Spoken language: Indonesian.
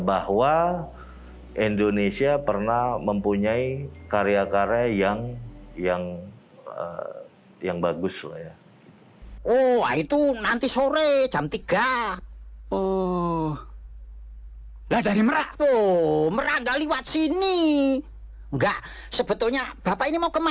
bahwa indonesia pernah mempunyai karya karya yang bagus loh ya